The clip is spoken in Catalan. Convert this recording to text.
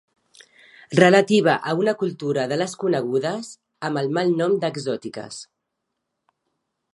Relativa a una cultura de les conegudes amb el malnom d'exòtiques.